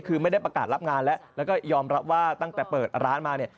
คือไม่ได้ประกาศรับงานแล้วแล้วก็ยอมรับว่าตั้งแต่เปิดร้านมาเนี่ย